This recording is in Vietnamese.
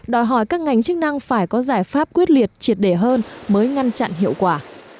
đòi hỏi các ngành chức năng phải có giải pháp quyết liệt triệt để hơn mới ngăn chặn hiệu quả